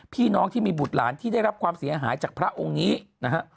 พี่น้องที่มีบุตรหลานที่ได้รับความเสียหายจากพระองค์นี้นะฮะ